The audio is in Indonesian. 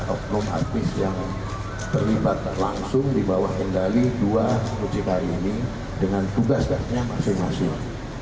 oknum artis yang terlibat langsung di bawah kendali dua mucikari ini dengan tugasnya masing masing